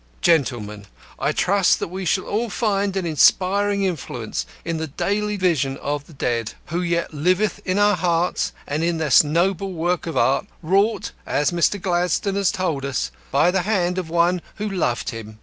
Gentlemen, I trust that we shall all find an inspiring influence in the daily vision of the dead, who yet liveth in our hearts and in this noble work of art wrought, as Mr. Gladstone has told us, by the hand of one who loved him."